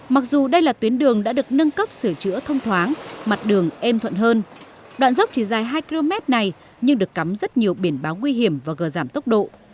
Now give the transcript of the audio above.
mặc dù đây là tuyến đường đã được nâng cấp sửa chữa thông thoáng mặt đường êm thuận hơn đoạn dốc chỉ dài hai km này nhưng được cắm rất nhiều biển báo nguy hiểm và gờ giảm tốc độ